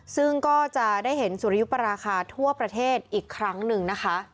ซึ่งก็จะได้เห็นสุริยุปราคาทั่วประเทศอีกครั้งหนึ่งนะคะ